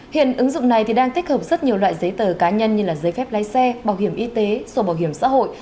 hiện ứng dụng này đang tích hợp rất nhiều loại giấy tờ cá nhân như giấy phép lái xe bảo hiểm y tế sổ bảo hiểm xã hội